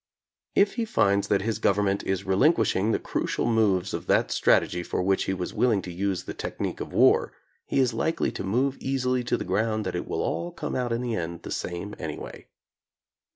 If he finds that his government is relinquishing the crucial moves of that strategy for which he was willing to use the technique of war, he is likely to move easily to the ground that it will all come out in the end the same anyway.